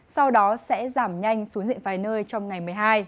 sau đó sẽ giảm nhanh xuống diện vài nơi trong ngày một mươi hai